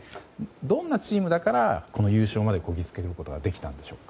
どんなチームだから優勝までこぎつけることができたんでしょうか。